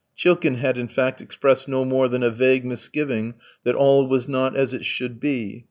Chilkin had, in fact, expressed no more than a vague misgiving that all was not as it should be.